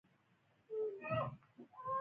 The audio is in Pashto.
د اوبو د سپما تخنیکونه باید عام شي.